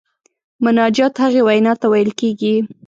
مناجات هغې وینا ته ویل کیږي.